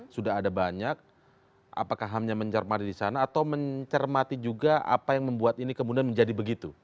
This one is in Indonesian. sudah ada banyak apakah hamnya mencermati di sana atau mencermati juga apa yang membuat ini kemudian menjadi begitu